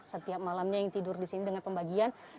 setiap malamnya yang tidur di sini dengan pembagian